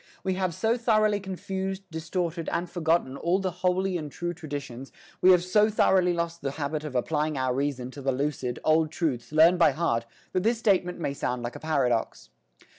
We have so thoroughly confused, distorted and forgotten all the holy and true traditions, we have so thoroughly lost the habit of applying our reason to the lucid, old truths learned by heart, that this statement may sound like a paradox.